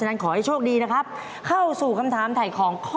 และที่สำคัญไถ่ตู้เย็นสำเร็จ